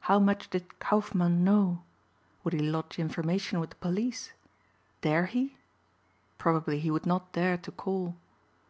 How much did Kaufmann know? Would he lodge information with the police? Dare he? Probably he would not dare to call.